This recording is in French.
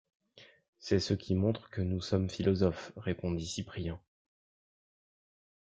C’est ce qui montre que nous sommes philosophes! répondit Cyprien.